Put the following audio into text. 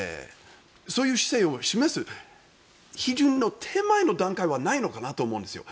そういう姿勢を示す批准の手前の段階はないのかなと思うんですよ。